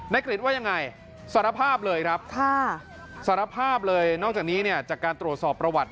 กริจว่ายังไงสารภาพเลยครับสารภาพเลยนอกจากนี้เนี่ยจากการตรวจสอบประวัติ